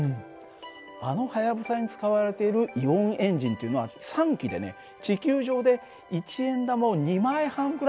あの「はやぶさ」に使われているイオンエンジンというのは３基でね地球上で一円玉を２枚半ぐらい持ち上げるぐらいの力なんだよ。